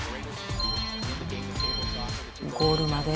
ゴールまで。